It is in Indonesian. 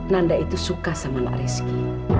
nanda itu suka sama nak reski